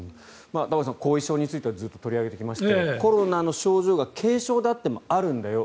玉川さん後遺症についてはずっと取り上げてきましたがコロナの症状が軽症であってもあるんだよ